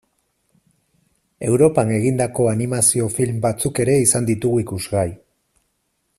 Europan egindako animazio film batzuk ere izan ditugu ikusgai.